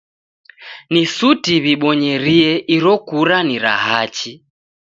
Ni suti w'ibonyerie iro kura ni ra hachi.